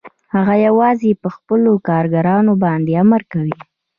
هغه یوازې په خپلو کارګرانو باندې امر کوي